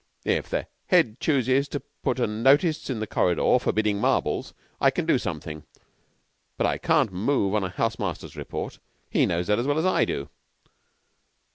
"If the Head chooses to put a notice in the corridor forbiddin' marbles, I can do something; but I can't move on a house master's report. He knows that as well as I do."